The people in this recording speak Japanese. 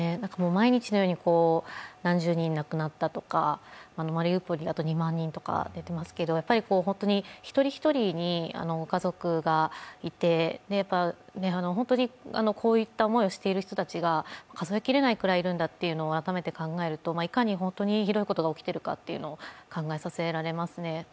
毎日のように何十人亡くなったとか、マリウポリ、あと２万人とか出てますけど本当に一人一人に家族がいて、本当にこういった思いをしている人たちが数えきれないくらいいるんだということを改めて考えると、いかに本当にひどいことが起きているのかを考えさせられますね。